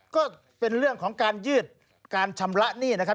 ก็เป็นเรื่องของการยืดการชำระหนี้นะครับ